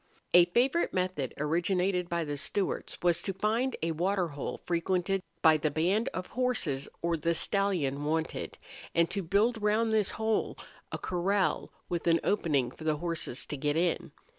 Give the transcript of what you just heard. A favorite method originated by the Stewarts was to find a water hole frequented by the band of horses or the stallion wanted, and to build round this hole a corral with an opening for the horses to get in.